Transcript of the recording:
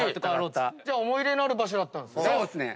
じゃあ思い入れのある場所だったんですね。